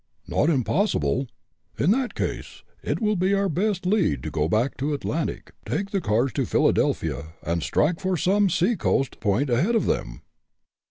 "Not impossible. In that case, it will be our best lead to go back to Atlantic, take the cars to Philadelphia, and strike for some sea coast point ahead of them."